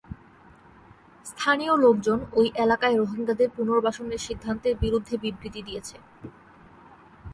স্থানীয় লোকজন ওই এলাকায় রোহিঙ্গাদের পুনর্বাসনের সিদ্ধান্তের বিরুদ্ধে বিবৃতি দিয়েছে।